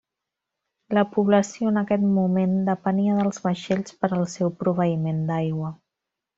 La població en aquest moment depenia dels vaixells per al seu proveïment d'aigua.